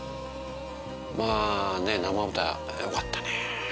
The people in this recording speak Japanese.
まあね生歌よかったね。